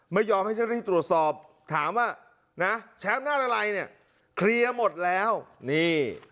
ไม่ยอมให้เจ้าหน้าที่ตรวจสอบถามว่านะแชมป์ด้านอะไรเนี่ยเคลียร์หมดแล้วนี่